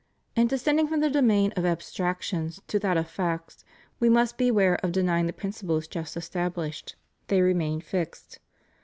In descending from the domain of abstractions to that of facts, we must beware of denying the principles just established: they remain fixed.